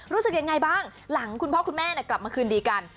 รู้สึกยังไงบ้างหลังคุณพ่อคุณแม่กลับมาคืนดีกัน